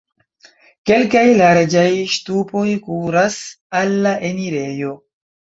Kelkaj larĝaj ŝtupoj kuras al la enirejo.